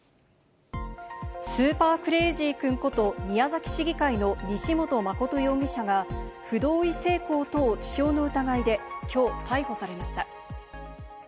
スーパークレイジー君こと、宮崎市議会の西本誠容疑者が不同意性交等致傷の疑いできょう逮捕されました。